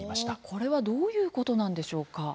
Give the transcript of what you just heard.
これはどういうことなんでしょうか。